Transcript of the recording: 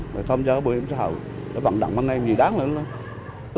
rồi thông giáo bảo hiểm xã hội vận động anh em gì đáng nữa